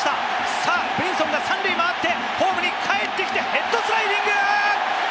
さぁブリンソンが３塁を回ってホームにかえってきてヘッドスライディング！